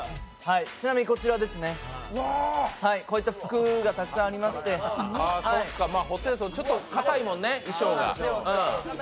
ちなみにこちらですね、こういった服がたくさんありましてホテイソン、ちょっと衣装がかたいもんね。